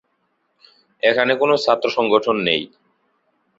এখানে কোন ছাত্র সংগঠন নেই।